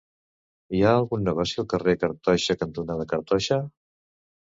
Hi ha algun negoci al carrer Cartoixa cantonada Cartoixa?